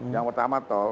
yang pertama tol